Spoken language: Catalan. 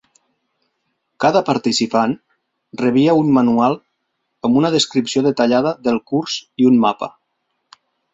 Cada participant rebia un manual amb una descripció detallada del curs i un mapa.